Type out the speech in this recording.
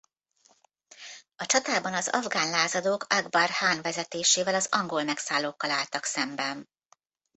A csatában az afgán lázadók Akbar Hán vezetésével az angol megszállókkal álltak szemben.